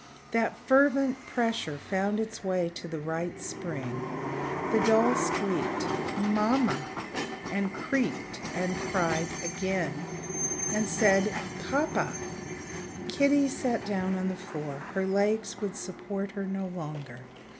That fervent pressure found its way to the right spring. The doll squeaked: "Mamma!" and creaked and cried again and said: "Papa!" Kitty sat down on the floor; her legs would support her no longer.